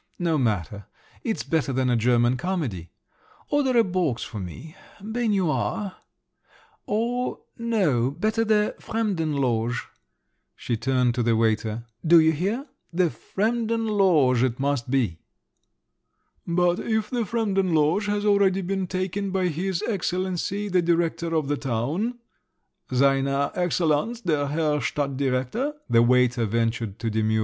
No matter; it's better than a German comedy. Order a box for me—baignoire—or no … better the Fremden Loge," she turned to the waiter. "Do you hear: the Fremden Loge it must be!" "But if the Fremden Loge has been already taken by his excellency, the director of the town (seine Excellenz der Herr Stadt Director)," the waiter ventured to demur.